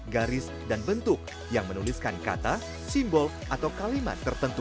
garis dan bentuk yang menuliskan kata simbol atau kalimat tertentu